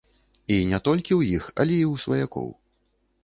І не толькі ў іх, але і ў сваякоў.